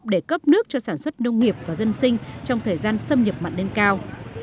để cấp nước cho sản xuất nông nghiệp và dân sinh trong thời gian xâm nhập mặn lên cao